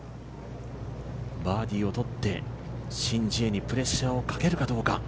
バーディーをとってシン・ジエにプレッシャーをかけるかどうか。